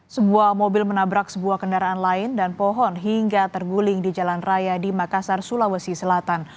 sebuah mobil menabrak sebuah kendaraan lain dan pohon hingga terguling di jalan raya di makassar sulawesi selatan